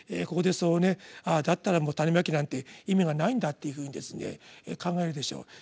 ここで「ああだったらもう種蒔きなんて意味がないんだ」っていうふうに考えるでしょう。